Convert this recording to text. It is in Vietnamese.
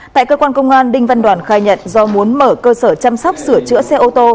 tại cơ quan công an đinh văn đoàn khai nhận do muốn mở cơ sở chăm sóc sửa chữa xe ô tô